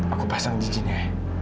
aku pasang jinjinnya